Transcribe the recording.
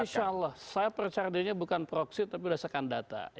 insya allah saya percaya dirinya bukan proksi tapi berdasarkan data